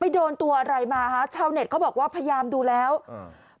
โดนตัวอะไรมาฮะชาวเน็ตเขาบอกว่าพยายามดูแล้วอืม